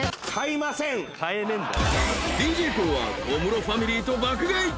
ＤＪＫＯＯは小室ファミリーと爆買い。